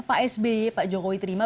pak sb pak jokowi terima